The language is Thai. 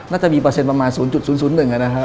น่าจะมีเปอร์เซ็นประมาณ๐๐๑นะครับ